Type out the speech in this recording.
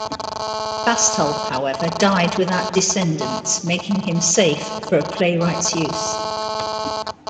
Fastolf, however, died without descendants, making him safe for a playwright's use.